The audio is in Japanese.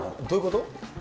どういうこと？